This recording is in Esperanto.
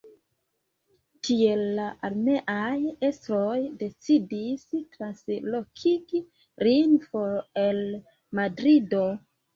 Tiel, la armeaj estroj decidis translokigi lin for el Madrido.